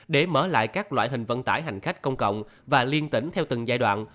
để mở lại các loại hình vận tải hành khách công cộng và liên tỉnh theo từng giai đoạn